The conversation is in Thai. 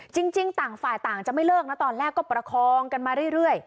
จริงต่างฝ่ายต่างจะไม่เลิกนะตอนแรกก็ประคองกันมาเรื่อย